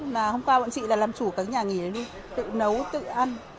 mà hôm qua bọn chị là làm chủ các nhà nghỉ đó đi tự nấu tự ăn